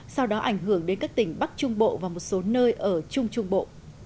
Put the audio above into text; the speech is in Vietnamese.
sau đó ảnh hưởng đến các tỉnh bắc trung bộ và một số nơi ở trung trung bộ